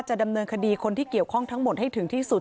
ดำเนินคดีคนที่เกี่ยวข้องทั้งหมดให้ถึงที่สุด